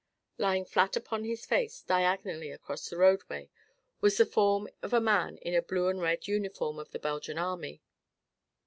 Lying flat upon his face, diagonally across the roadway, was the form of a man in the blue and red uniform of the Belgian army.